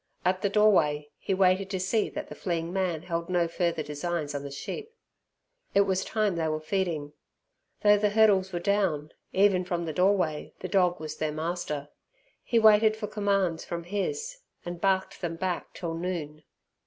At the doorway he waited to see that the fleeing man had no further designs on the sheep. It was time they were feeding. Though the hurdles were down, even from the doorway, the dog was their master. He waited for commands from his, and barked them back till noon.